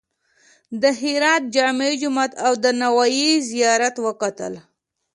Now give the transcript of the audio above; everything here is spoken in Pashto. د هرات جامع جومات او د نوایي زیارت وکتل.